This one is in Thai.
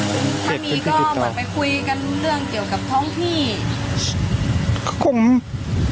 ถ้ามีก็มาไปคุยกันเรื่องเกี่ยวกับท้องพี่